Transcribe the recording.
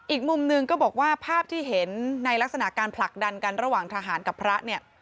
อีกมุมหนึ่งก็บอกว่าภาพที่เห็นในลักษณะการผลักดันกันระหว่างทหารกับพระเนี่ย